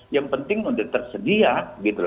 yang penting untuk tersedia gitu